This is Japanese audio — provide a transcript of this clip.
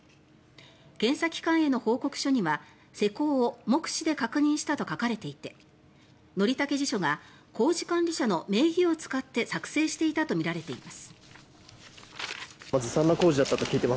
検査機関への報告書には施工を目視で確認したと書かれていて則武地所が工事監理者の名義を使って作成していたとみられています。